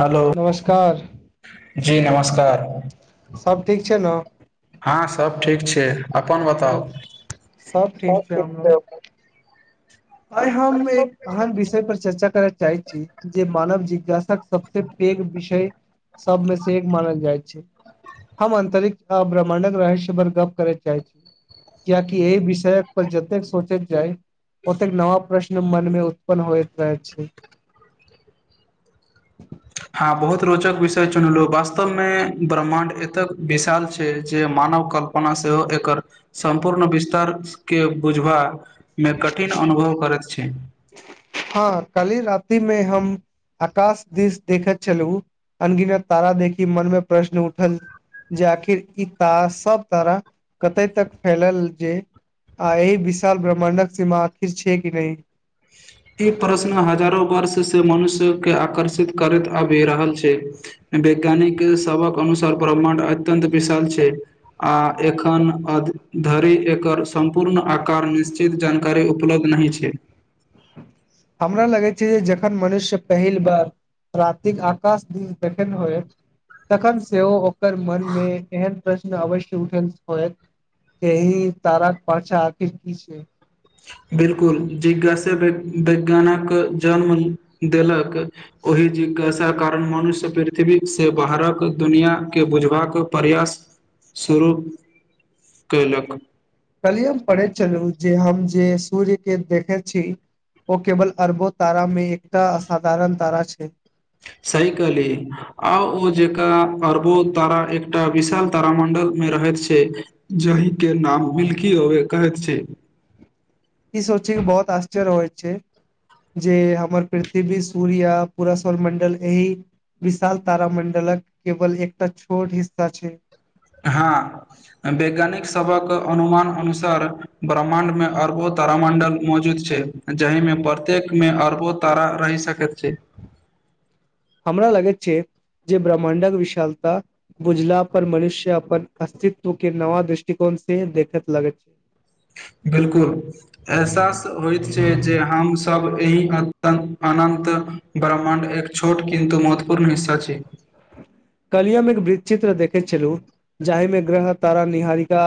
Hello नमस्कार जी नमस्कार। सब ठीक छै ने हँ सब ठीक छैय अपन बिल- बताउ सब ठीक छैय। आइ हम एक एहन विषय पर चर्चा करय चाहै छी जे मानव जिज्ञासाक सबसे पैघ विषय सबमे से एक मानल जाइ छैय। हम अंतरिक्ष ब्रह्माण्डक रहस्य पर गप्प करय चाहै छी। कियाकि एहि विषय पर जतेक सोचैत जाय ओतेक नव प्रश्न मन में उत्पन्न होइत अछि। हँ बहुत रोचक विषय चुनलहु वास्तव मे ब्रह्माण्ड एतय विशाल छैय जे मानव कल् पना सेहो एकर सम्पूर्ण विस्तार के बुझबा मे कठिन अनुभव करैत छैय। हँ काल्हि राति मे हम आकाश दिस देखैत छलहुॅ अनगिनत तारा देखी मन मे प्रश्न उठल जे आखिर इ तार सब तारा कते तक फैलल जे आ एहि विशाल ब्रह्मण्डक सीमा आखिर छैय कि नहि। ई प्रश्न हजारों वर्ष से मनुष्य के आकर्षित करैत आबि रहल छैय। वैज्ञानिक सबहक अनुसार ब्रह्मण्ड अत्यन्त विशाल छैय। आ एखन धरि एकर सम्पूर्ण आकार निश्चित जान कारी उलब्ध नहि छैय। हमरा लगै छैय जे जखन मनुष्य पहिल बार रातिक आकाश दि देखे हो तखन सेहो ओकर मन मे एहन प्रश्न अवश्य उठल होयत। के एहि ताराक पछा आखिर की छैय। बिलकुल जिज्ञासा वैज्ञानक जन्म देलक। ओहि जिज्ञासा कारण मनुष्य पृथ्वी से बाहरक दुनिआ के बुझबाक प्रयास शुरू कयलक। कहलिय हम पढ़ैत छलू जे हम जे सूर्य के देखे छी ओ केवल अरबो तारा मे एकटा असाधारण तारा छैय। सही कहली। आ ओ जेक अरबो तारा एकटा विशाल तारामंडल मे रहैत छैय। जाहि के नाम मिल्की ओवे कहैत छैय। ई सोचै के बहुत आश्चर्य होइ छैय। जे हमर पृथ्वी सूर्य य पुरा सौमंडल एहि विशाल तार मंडलक केवल एकटा छोट हिस्सा छैय। हँ वैज्ञानिक सबक अनुमान अनुसार ब्रह्मण्डमे मे अरबो तारामं्डल मौजूद छैय जहिमे प्रत्येक मे अरबो तारा रहि सक करत छैैय। हमरा लगैत छैय जे ब्रह्मा्डक विशालता बुझला पर मनुष्य अपन अस्तित्व के नवा दृष्टिकोण से देखत लगैत छैय। बिल्कुल एहसास होइत छैय जे हम सभ एहि अनन्त ब्रह्माण्ड एक छोट किन्तु महत्वपूर्ण हिस्सा छैय। कल्हि हम एक वृतचित्र देखै छलु। जाहिमे ग्रह तारा निहारिका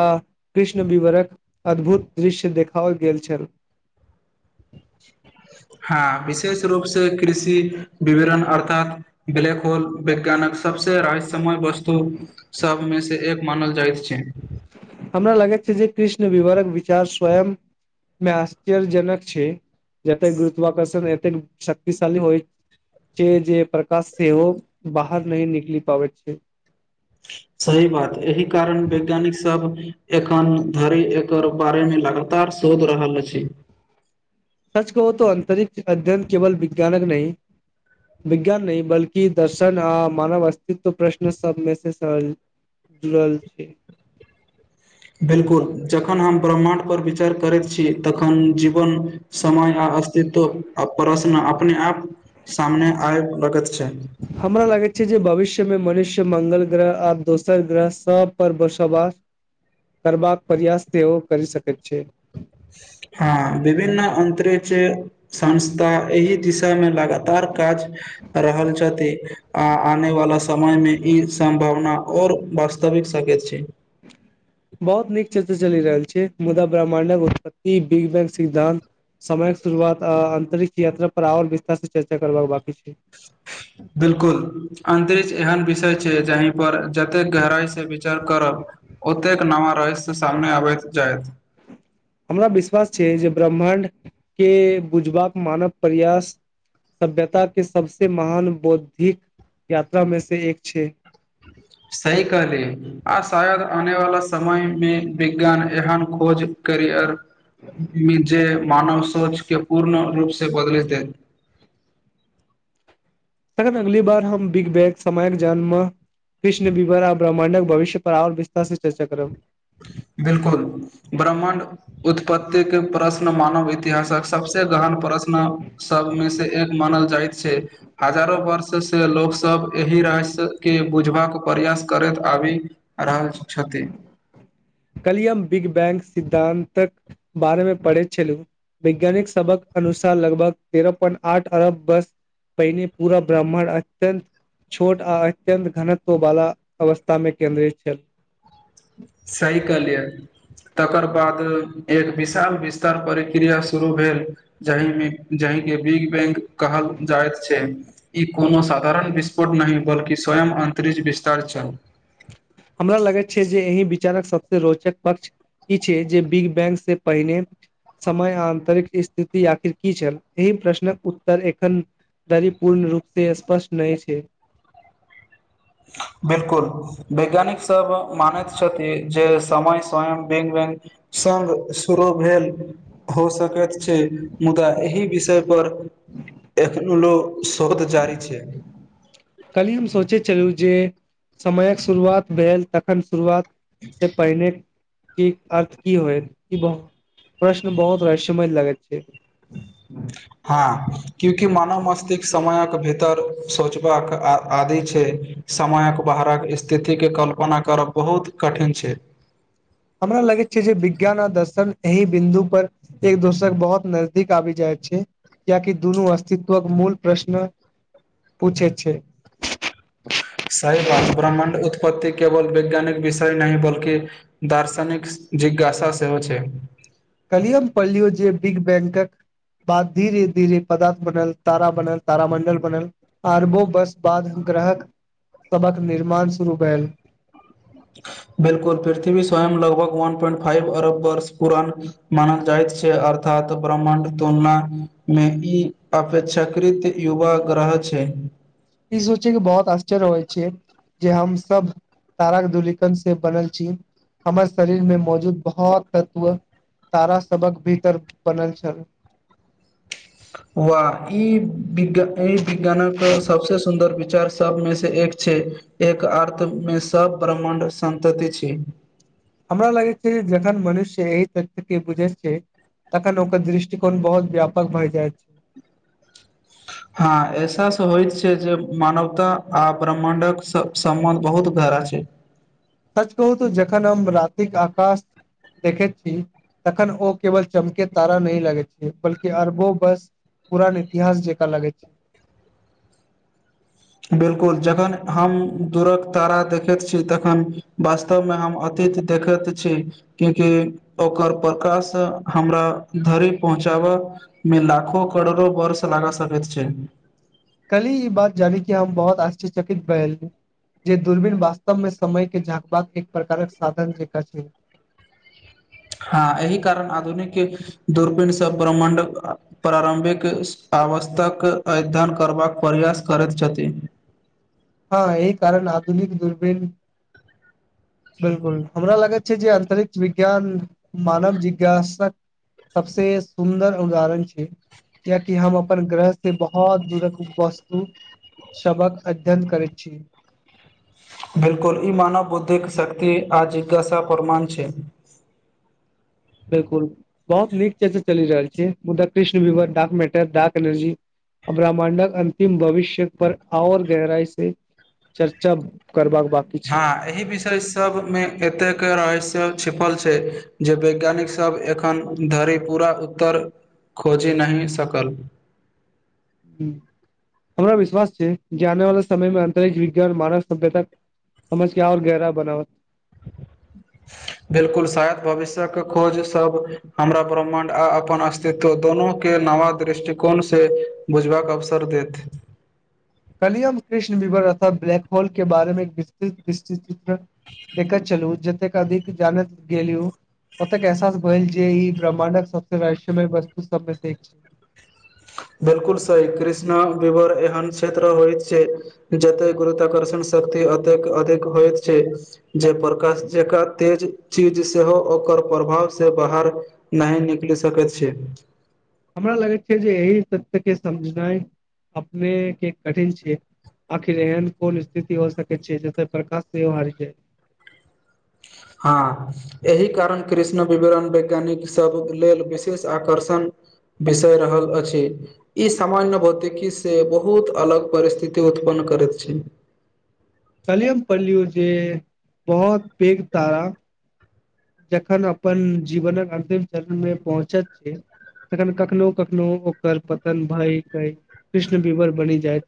कृष्ण विवरक अद्भुत दृश्य देखाओल गेल छल। हँ विशेष रूप से कृषि विवरण अर्थात ब्लैक होल वैज्ञानक सबसे रहस्यमय वस्तु सभमें से एक मानल जाइत छै। हमरा लागैत छै जे कृष्ण विवरक विचार स्वयं मे आश्चर्यजनक छै जतेक गुरुत्वाकर्षण एतेक शक्तिशाली होय छैय जे प्रकाश सेहो बाहर नै निकली पाबैत छैय। सही बात एहि कारण वैज्ञानिक सब एखन धरी एकर बारे में लगातार शोध रहल अछी। सच कउ त अंतरिक्ष अध्ययन केवल विज्ञानक नहि विज्ञान नहि बल्कि दर्शन आ मानव अस्तित्व प्रश्न सबमे से सहज जुड़ल छै। बिलकुल। जखन हम ब्रह्माण्ड पर विचार करैत छीयै तखन जीवन, समय आ अस्तित्व आ प्रश्न अपने आप सामने आय लगत छै। हमरा लागैत छै जे भविष्य में मनुष्य मंगल ग्रह आर दोसर ग्रह सब पर बसोवास करबाक प्रयास सेहो करि सकैत छै। हँ विभिन्न अंतरिक्ष संस्था एहि दिशा में लगा [unintelligible] काज क रहल छथी आ आनेवाला समय में ई सम्भावना और वास्तविक सकैत छै। बहोत नीक चर्चा चली रेहल छै मुदा ब्रह्माण्डक उत्पत्ति, बिग बैंग सिद्धान्त समयक शुरुआत आ अंतरिक्ष यात्रा पर आओर विस्तार से चर्चा करबाक बाकी छै। [inaudible] बिलकुल, अन्तरिक्ष एहन विषय छै जहिं पर जतेक गहराई से विचार करब ओतेक नव रहस्य सामने आबैत जेत। हमरा विश्वास छै जे ब्रह्माण्ड के बुझबाक मानव प्रयास सभ्यता के सबसे महान बौद्धिक यात्रा में से एक छै। सही कहली। आ शायद आने वाला समय में विज्ञान एहन खोज करिअर जे मानव सोच के पूर्ण रूप से बदलेतै। तखन अगली बार हम बिग बैग समयक जन्म कृष्ण विभरा ब्रह्मण्डक भविष्य पर आर विस्तार से चर्चा करब। बिलकुल ब्रह्माण्ड उत्पत्ति के प्रश्न मानव इतिहासक सबसे गहन प्रश्न सबमें से एक मानल जाइत छैय। हजारो वर्ष से लोक सब एहि रहस्य के बुझबाक प्रयास करैत आबी आरहल छथी। काल्हिये हम बिग बैंग सिद्धान्तक बारे में पढ़ैत छलहुँ। वैज्ञानिक सबहक अनुसार लगभग तेरह पॉइंट आठ अरब बस पहिने पूरा ब्राह्म्ण अत्यन्त छोट आ अत्यंत घनत्व वाला अवस्था में केंन्द्रित छल। सही कहलियै। तकर बाद एक विशाल विस्तार प्रक्रिया शुरू भेल। जाहि में जाहिं के बिग बैंग कहल जायत छै, ई कोनो साधारण विस पोर्ट नहि बल्कि स्वयं अंतरिक्ष विस्तार छल। हमरा लगैत छै जे एहि विचारक सबसे रोचक पक्ष ई छियै जे बिग-बैंग से पहिने समय आन्तरिक स्थिति आखिर की छल एहि प्रश्नक उत्तर एखन धरि पूर्ण रूप से स्पष्ट नहि छै। बिलकुल वैज्ञानिक सब मानैत छथि जे समय स्वयं बिग-बैंग संघ शुरू भेल। हो सकैत छै मुदा एहि विषय पर एखनो लोक शोध जारी छै। कल्हि हम सोचै छलू जे समयक शुरुआत भेल तखन शुरुआत से पहिले कि अर्थ की होय ई बहु प्रश्न बहुत रहस्यमय लगैत छै। हँऽ क्याकि मानव मस्तिक समयक भीतर सोचबाक आदि छै समयक बाहरक स्थितिके कल्प -पना करब बहुत कठिन छै। हमरा लगैत छै जे विज्ञान आ दर्शन एहि बिन्दु पर एक दोसर बोहोत नजदीक आबि जाएत छै। कियेकि दुनू अस्तित्वक मूल प्रश्न पूछै छै। सही बात ब्रह्मण्ड उत्पत्ति केवल वैज्ञानिक विषय नहि बल्कि दार्शनिक जिज्ञासा सेहो छै। कल्हिये हम पढ़लियै जे बिग-बैंकक बाद धीरे-धीरे पदार्थ बनल तारा बनल तारामण्डल बनल अरबो वर्ष बाद ग्रहक सबहक निर्माण शुरू भेल। बिलकुल पृथ्वी स्वयं लगभग वन पोइंट फाइव अरब वर्ष पुरान मानल जाइत छै। आर थात ब्रह्माण्ड तुलना मे ई अपेक्षाकृत युवा ग्रह छै। ई सोचि कऽ बहोत आश्चर्य होए छै। जे हमसब ताराक धुलिकन से बनल छी। हमर शरीर मे मौजूद बहोत तत्व तारा सबहक भीतर बनल छल। वा ई विज्ञ ई विज्ञानक सबसे सुन्दर विचार सबमे से एक छै। एक अर्थ मे सब ब्रह्मांड संतति छी हमरा लगैत छै जे जखन मनुष्य एहि तथ्य के बुझै छैय। तखन ओकर दृष्टिकोण बहुत ब्यापक भय जायत छै [inaudible] हँ एहसास होएत छैय जे मानवता आ ब्रह्माण्डक सब सम्बन्ध बहुत गहरा छैय। सच कहू तऽ जखन हम रातिक आकाश देखैत छी तखन ओ केवल चमके तारा नहि लगैत छैय बल्कि अरबो बर्ष पुरान इतिहास जेकां लगैत छै। बिलकुल जखन हम ध्रुव तारा देखैत छी तखन बस सब मे हम अतीत देखैत छी। कियेकी ओकर प्रकाश हमरा धरि पहुँचाब मे लाखो करोड़ो वर्ष लागा सकैत छैय कलही ई बात जानी कि हम बहुत आश्चर्यचकित भयल जे दूरबीन वास्तव मे समय के झाँकबाक एक प्रकारक साधन जेका छैय। हँ एहि कारण आधुनिकी दूरबीन सऽ ब्रह्माण्डक प्रारम्भिक आवस्थाक अध्ययन करबाक प्रयास करैत छथि। हँ अहि कारण आधुनिक दूर्बीन बिलकुल हमरा लागैत छैय जे अन्तरिक्ष विज्ञान मानव जिज्ञासक सबसे सुन्दर उदाहरण छैय। कियेकि हम अपन ग्रह से बहुत दूरक वस्तु सबहक अध्ययन करै छी। बिलकुल इ मानव बुद्धिक शक्ति आ जिज्ञासा प्रमाण छैय। बिलकुल बहुत नीक चर्चा चलि रहल छैय मुदा कृष्ण, विवर, डार्क मैटर डार्क एनर्जी ब्रह्माण्डक अंतिम भविष्य पर आओर गहराई से चर्चा करबा बाक हाय। अहि विषय सबमे एतेक रहस्य छिपल छैय जे वैज्ञानिक सब एखन धरि पूरा उत्तर खोजि नहि सकल। हमरा विश्वास छैय जे आने वाला समयमे अंतरिक्ष विज्ञान मानव सभ्यता समझके आओर गहरा बनाब बिल्कुल शायद भविष्यक खोज सभ हमरा ब्रह्माण्ड आ अपन अस्तित्व दोनोके नवा दृष्टिकोण से बुझबाक अवसर देत। कल्हि हम कृष्ण विवर अथवा ब्लैक होल के बारेमे विस्तृत विस्तृत्त चित्रण देखैत छलू जतेक अधिक जानैत गेलियू ओतेक एहसास भेल जे इ ब्रह्माणडक सबस रहस्यमय वस्तु सब मे से एक छैय। बिलकुल सही कृष्णा विवर एहन क्षेत्र होइत छैय जतय गुरुत्वाकर्षण शक्ति अतेक अधिक होइत छैय। जे प्रकाश जेकां तेज चीज सेहो ओकर प्रभाव से बहार नहि निकलि सकैत छैय। हमरा लागैत छैय जे एहि तथ्य के समझनाय अपने के कठिन छैय। आखिर एहन कोन स्थिति भ सकै छैय जतय प्रकाश सेहो हारि जाय। हाँ। एहि कारण कृष्णा विवरण वैज्ञानिक सभ लेल विशेष आकर्षण विषय रहल अछि। इ सामान्य भौतिकी से बहुत अलग परिस्थिति उत्पन्न करैत छैय। कल्हि हम पढ़लियो जे बहुत पेघ तारा जखन अपन जीवनक अंतिम चरण मे पहुँचत छैय तखन कखनो- कखनो ओकर पतन भय कय कृष्ण विवर बनी जाय।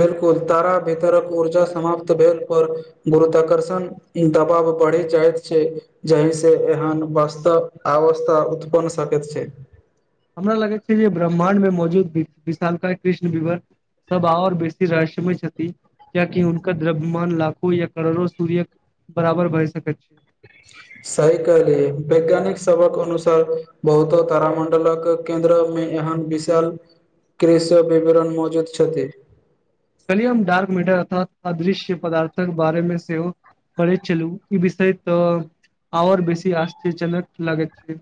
बिलकुल तारा भीतरक ऊर्जा समाप्त भेल पर गुरुत्वाकर्षण दबाव बढ़ि जाइत छैय जहि से एहन वास्तव अवस्था बन सकैत छैय। हमरा लगैत छैय जे ब्रह्माणड मे मौजूद विशालका कृष्ण विवर सब आओर बेसी रहस्यमय छथि। कियाकि उनकर द्रव्यमान लाखो या करोड़ो सूर्यक बराबर भय सकैत छैय। सही कहलियै वैज्ञानिक सबहक अनुसार बहुतो तारामण्डलक केन्द्रमे एहन विशाल कृषि विवरण मौजूद छथि। कली हम डार्क मीटर अथवा अदृश्य पदार्थक बारेमे सेहो पढ़ै छलू इ विषय त आओर बेसी आश्चर्यनक लागैत छैय।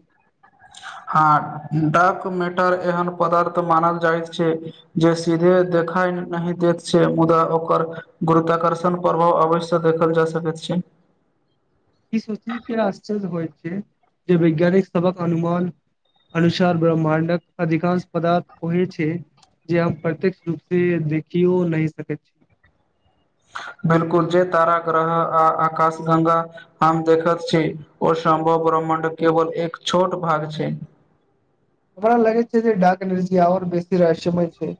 हँ डार्क मेटर एहन पदार्थ मानल जाइत छैय जे सीधे देखाय नहि देैत छैय मुदा ओकर गुरुत्वाकर्षण प्रभाव अवश्य देखल जा सकैत छैय। इ सूनी के आश्चर्य होइ छैय जे वैज्ञानिक सबहक अनुमान अनुसार ब्रह्मण्डक अधिकांश पदार्थ खोजै छै। जे हम प्रत्यक्ष रूप से देखियो नैय सकैत छी। बिल्कुल जे तारा ग्रह आ आकाश गंगा हम देखत छी ओ सम्भव ब्रह्मण्ड केवल एक छोट भाग छैय। हमरा लगै छै जे डार्क एनर्जी आर बेसी रहस्यमय छै।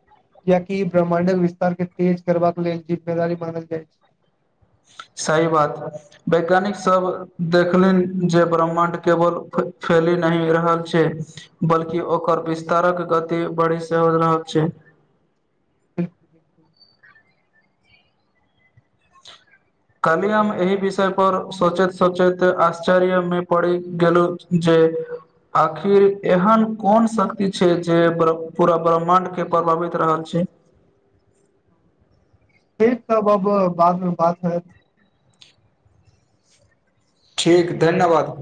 कियाकि ब्रह्माण्डक विस्तार के तेज करबाक लेल जिम्मेदारी मानल जाय छै। सही बात। वैज्ञानिक सब देखलैन जे ब्रह्माण्ड केवल फै-फैलि नहि रहल छै बल्कि ओकर विस्तारक गति बढ़ी सेहो रहल छै। बिल्कुल [unintelligible] काल्हि हम एहि विषय पर सोचैत-सोचैत आश्चर्य में पड़ि गेलौं जे आखिर एहन कोन शक्ति छै जे पूरा ब्रह्माण्ड के प्रभावित रहल छै? फेर तब अब बाद में बात हैत। ठीक धन्यवाद।